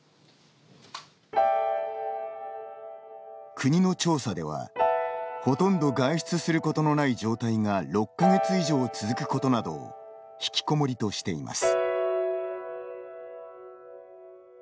国の調査では、ほとんど外出することのない状態が６か月以上続くことなどをひきこもりとしています。